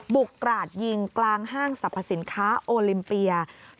กราดยิงกลางห้างสรรพสินค้าโอลิมเปียร์